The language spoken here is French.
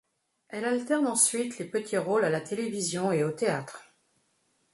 Elle alterne ensuite les petits rôles à la télévision et au théâtre.